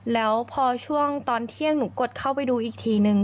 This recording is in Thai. แล้วพอช่วงตอนเที่ยงหนูกดเข้าไปดูอีกทีนึง